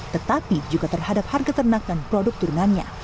tetapi juga terhadap harga ternak dan produk turunannya